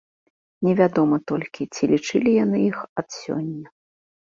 Невядома толькі, ці лічылі яны іх ад сёння.